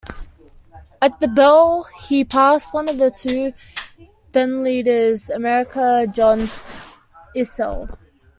At the bell, he passed one of the two then-leaders, American John Eisele.